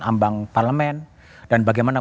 ambang parlemen dan bagaimana